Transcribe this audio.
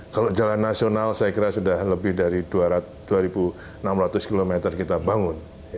kalau jalan nasional saya kira sudah lebih dari dua enam ratus km kita bangun